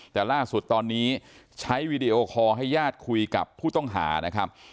แต่ล่าสุดตอนนี้ใช้วีดีโอคอร์ให้ญาติคุยกับผู้ต้องหานะครับ